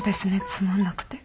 つまんなくて。